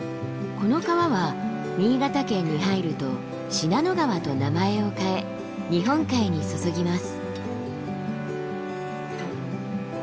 この川は新潟県に入ると信濃川と名前を変え日本海に注ぎます。